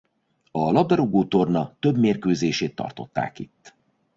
A labdarúgó torna több mérkőzését tartották itt.